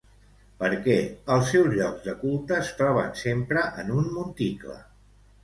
Per què els seus llocs de culte es troben sempre en un monticle?